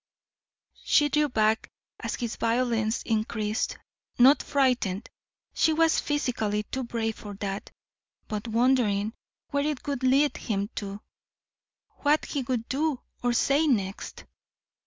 She drew back as his violence increased; not frightened she was physically too brave for that; but wondering where it would lead him to, what he would do or say next.